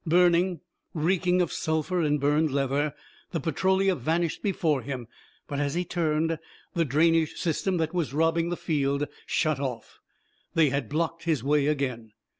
Burning, reeking of sulphur and burned leather, the Petrolia vanished before him. But, as he turned, the drainage system that was robbing the field shut off. They had blocked his way again!